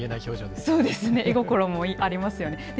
そうですね、絵心もありますよね。